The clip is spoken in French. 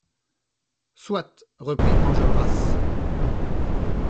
Soit, reprit Enjolras.